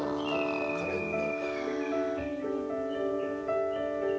かれんな。